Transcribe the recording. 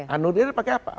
anulir pakai apa